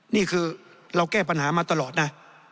นี่คือเราแก้ปัญหามาตลอดนะ